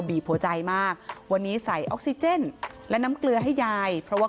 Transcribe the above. บีบหัวใจมากวันนี้ใส่ออกซิเจนและน้ำเกลือให้ยายเพราะว่า